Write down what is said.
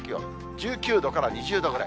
１９度から２０度くらい。